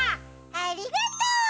ありがとう！